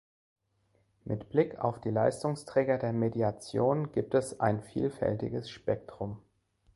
Mit Blick auf die Leistungsträger der Mediation gibt es ein vielfältiges Spektrum.